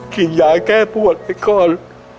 กินยาแก้ปวดไปก่อน